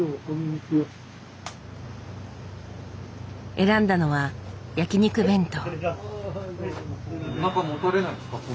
選んだのは焼肉弁当。